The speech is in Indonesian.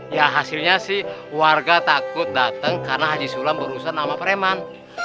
ya hasilnya sih warga takut datang karena haji sulam berurusan nama preman